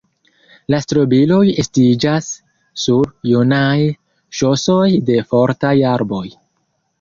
La strobiloj estiĝas sur junaj ŝosoj de fortaj arboj.